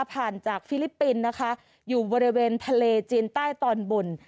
จากฟิลิปปินส์นะคะอยู่บริเวณทะเลจีนใต้ตอนบน